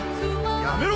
やめろ！